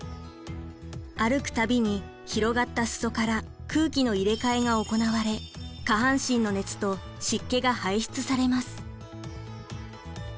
歩くたびに広がった裾から空気の入れ替えが行われ下半身の熱と湿気が排出されます。